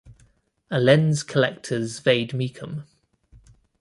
A lens collector's vade mecum.